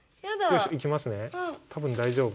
多分大丈夫。